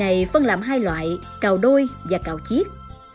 này phân làm hai loại cào đôi và cào chiếc